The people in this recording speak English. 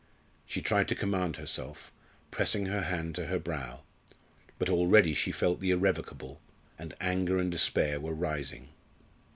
She tried to command herself, pressing her hand to her brow. But already she felt the irrevocable, and anger and despair were rising.